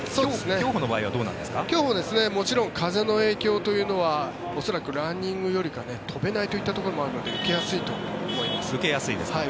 競歩はもちろん風の影響というのは恐らくランニングよりかは飛べないといったところもあるので受けやすいと思います。